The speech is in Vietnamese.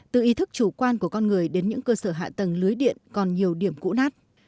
từ ý thức chủ quan của con người đến những cơ sở hạ tầng lưới điện còn nhiều điểm cũ nát